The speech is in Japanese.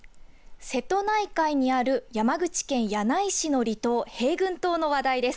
瀬戸内海にある山口県柳井市の離島平群島の話題です。